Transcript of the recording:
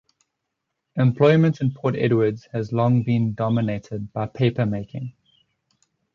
Employment in Port Edwards has long been dominated by paper making.